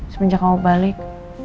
semenjak kamu balik